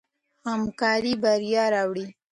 همکاري بریا راوړي.